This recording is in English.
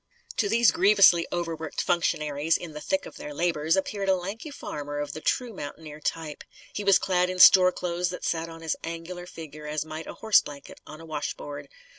To these grievously overworked functionaries, in the thick of their labours, appeared a lanky farmer of the true mountaineer type. He was clad in store clothes that sat on his angular figure as might a horse blanket on a washboard.